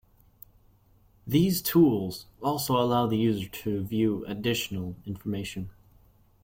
These tools also allow the user to view additional information.